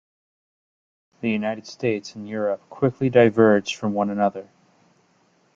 The United States and Europe quickly diverged from one another.